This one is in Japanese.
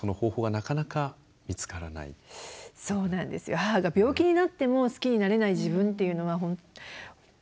母が病気になっても好きになれない自分っていうのは本当